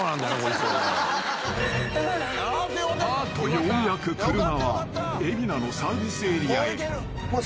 ［ようやく車は海老名のサービスエリアへ］